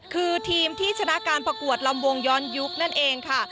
คือทีมที่ชนะการประกวดลำวงย้อนยุคนั่นเองค่ะ